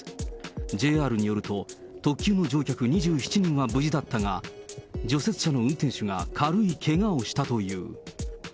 ＪＲによると、特急の乗客２７人は無事だったが、除雪車の運転手が軽いけがをしたという。